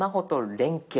連携。